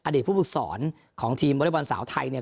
อดีตผู้ปกสรของทีมวลายบอลสาวไทย